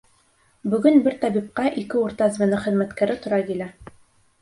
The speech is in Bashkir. Бөгөн бер табипҡа ике урта звено хеҙмәткәре тура килә.